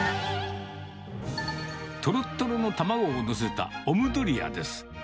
とろとろの卵を載せたオムドリアです。